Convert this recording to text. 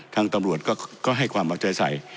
ทางตำรวจก็ให้ความอาจารย์ใส